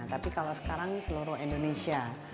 tapi kalau sekarang seluruh indonesia